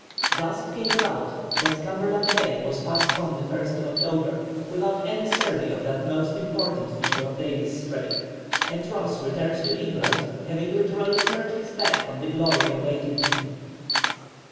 Thus it came about that Cumberland Bay was passed on the 1st October without any survey of that most important feature of Davis Strait, and Ross returned to England, having literally turned his back on the glory awaiting him.